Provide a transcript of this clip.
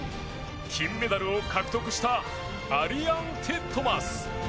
金メダルを獲得したアリアン・ティットマス。